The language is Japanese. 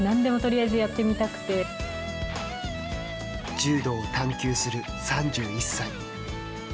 柔道を探究する３１歳。